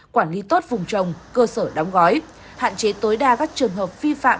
quản lý tốt vùng trồng cơ sở đóng gói hạn chế tối đa các trường hợp vi phạm